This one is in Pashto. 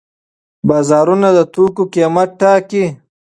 بازارونه د توکو قیمت ټاکي.